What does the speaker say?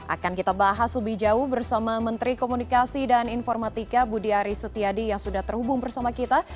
akan kita bahas lebih jauh bersama menteri komunikasi dan informatika budi aris setiadi yang sudah terhubung bersama kita